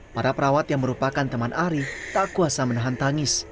para perawat yang merupakan teman ari tak kuasa menahan tangis